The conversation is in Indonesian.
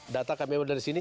data kami yang berada disini